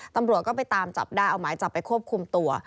ตำรวจก็ไปตามจับได้เอาหมายจับไปควบคุมตัว